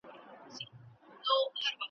زۀ عظيم يم چې مې پام شي درته پامه